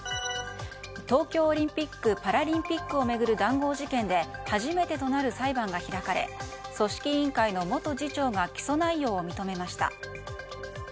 東京オリンピック・パラリンピックを巡る談合事件で初めてとなる裁判が開かれ組織委員会の元次長が起訴内容を認めました。